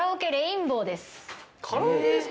カラオケですか？